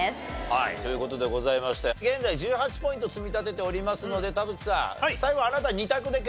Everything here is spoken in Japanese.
はいという事でございまして現在１８ポイント積み立てておりますので田渕さん最後あなた２択で結構です。